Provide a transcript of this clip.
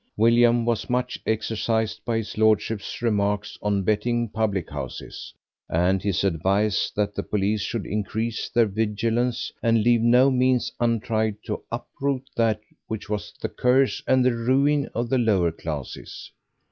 William was much exercised by his Lordship's remarks on betting public houses, and his advice that the police should increase their vigilance and leave no means untried to uproot that which was the curse and the ruin of the lower classes.